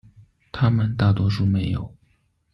它们大多数没有。